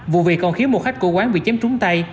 vụ việc còn khiếm một khách cổ quán bị chém trúng tay